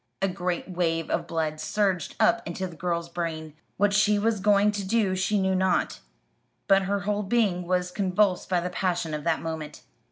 A great wave of blood surged up into the girl's brain. What she was going to do she knew not; but her whole being was convulsed by the passion of that moment.